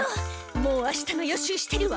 もうあしたの予習してるわ。